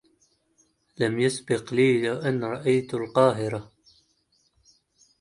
لم يسبق لي و أن رأيت القاهرة.